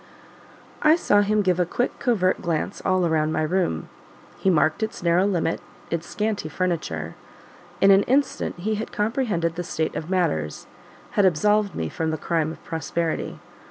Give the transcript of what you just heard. I saw him give a quick, covert glance all round my room; he marked its narrow limits, its scanty furniture: in an instant he had comprehended the state of matters had absolved me from the crime of prosperity.